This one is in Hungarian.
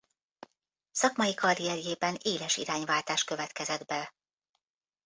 Szakmai karrierjében éles irányváltás következett be.